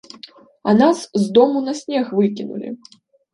А нас з дому на снег выкінулі.